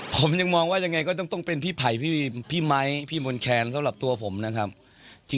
ผมยังมองว่ายังไงก็ต้องเป็นพี่ไผ่พี่ไมค์พี่มนต์แคนสำหรับตัวผมนะครับ